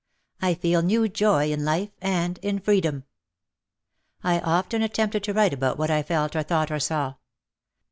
"I feel new joy in life and in freedom." I often attempted to write about what I felt or thought or saw.